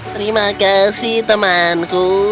terima kasih temanku